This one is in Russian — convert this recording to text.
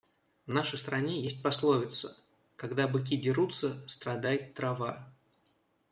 В нашей стране есть пословица: когда быки дерутся, страдает трава.